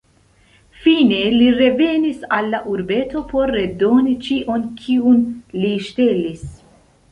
Fine, li revenis al la urbeto por redoni ĉion kiun li ŝtelis.